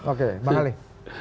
oke pak halih